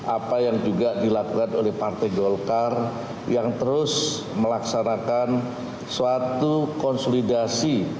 apa yang juga dilakukan oleh partai golkar yang terus melaksanakan suatu konsolidasi